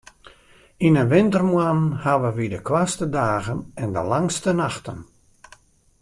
Yn 'e wintermoannen hawwe wy de koartste dagen en de langste nachten.